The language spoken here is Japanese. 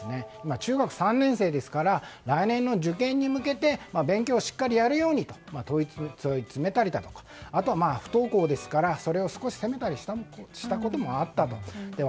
中学３年生ですから来年の受験に向けて勉強をしっかりやるようにと問い詰めたりだとかあとは不登校ですからそれを少し責めたこともあったと。